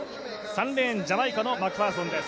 ３レーンジャマイカのマクファーソンです。